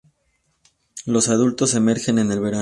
Los adultos emergen en el verano.